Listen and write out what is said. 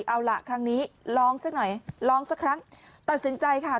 เอาล่ะครั้งนี้ลองสักหน่อยลองสักครั้งตัดสินใจค่ะ